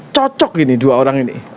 cocok ini dua orang ini